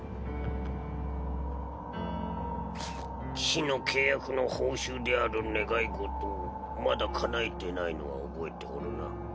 騎士の契約の報酬である願い事をまだかなえてないのは覚えておるな？